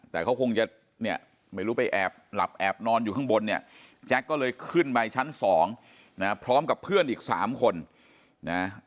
แต่เขาคงจะเนี่ยไม่รู้ไปแอบหลับแอบนอนอยู่ข้างบนเนี่ยแจ็คก็เลยขึ้นไปชั้นสองนะพร้อมกับเพื่อนอีก๓คนนะ